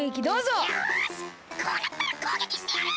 よしこうなったらこうげきしてやる！